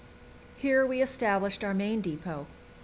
Here we established our main depot.